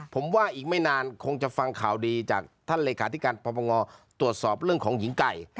ผมว่าอีกไม่นานคงจะฟังข่าวดีจากท่านเลขาธิการพบงตรวจสอบเรื่องของหญิงไก่